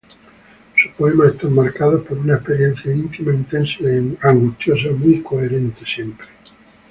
Sus poemas están marcados por una experiencia íntima, intensa y angustiosa, muy coherente siempre.